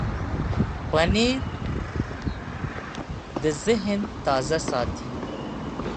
پنېر د ذهن تازه ساتي.